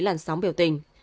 làn sóng biểu tình